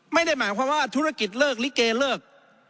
ไม่ได้หมายความว่าธุรกิจเลิกลิเกเลิก